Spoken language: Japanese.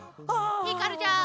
ひかるちゃん。